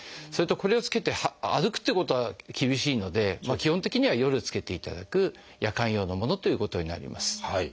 それとこれを着けて歩くっていうことは厳しいので基本的には夜着けていただく夜間用のものということになります。